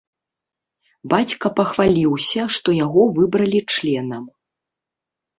Бацька пахваліўся, што яго выбралі членам.